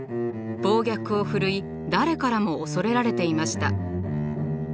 暴虐をふるい誰からも恐れられていました。